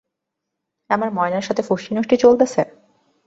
আমার ময়নার সাথে ফষ্টিনষ্টি চলতেছে?